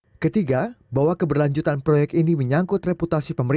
yang ketiga bahwa keberlanjutan proyek ini menyangkut reputasi pemerintah